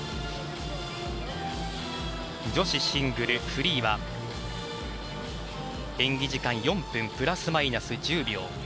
女子シングルフリーは演技時間４分プラスマイナス１０秒。